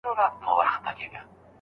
چي افغانان په خپل هیواد کي